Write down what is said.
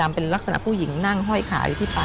เป็นลักษณะผู้หญิงนั่งห้อยขาอยู่ที่ป่า